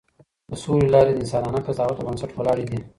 د سولې لارې د انسانانه قضاوت پر بنسټ ولاړې دي.